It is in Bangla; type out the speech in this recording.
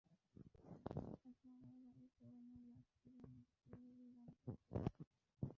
এখন আমার গাড়ির পুরোনো গ্লাসটিই আমাকে তিন গুণ দামে কিনতে হচ্ছে।